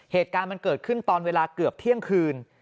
เหตุการณ์มันเกิดขึ้นตอนเวลาเกือบเที่ยงคืน